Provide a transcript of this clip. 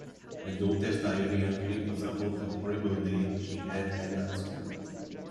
My daughter's diary entry was about the horrible day she had had at school.